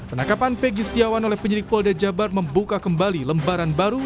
penangkapan peggy setiawan oleh penyidikpolda jabar membuka kembali lembaran baru